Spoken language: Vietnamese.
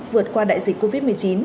vượt qua đại dịch covid một mươi chín